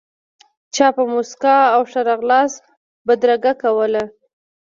چا په موسکا او ښه راغلاست بدرګه کولو.